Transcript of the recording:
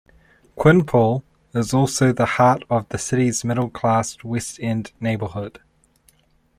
Quinpool is also the heart of the city's middle class West End neighbourhood.